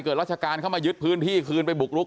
อย่างไรเกิดรัฐการณ์เข้ามายึดพื้นที่คืนไปบุกลุก